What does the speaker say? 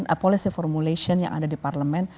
apa sih formulation yang ada di parlemen